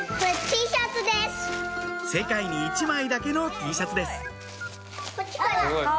世界に１枚だけのＴシャツです